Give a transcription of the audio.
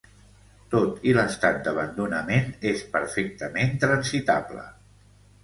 Tot i l'estat d'abandonament és perfectament transitable.